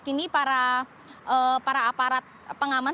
kini para aparat pengaman